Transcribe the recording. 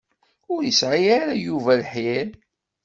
Ur yesɛi ara Yuba lḥir.